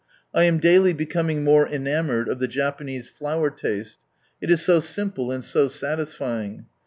I am daily becom H ^^^^^ :ng more enanioure<l of the Japanese flower taste. It is so simple and so satisfying.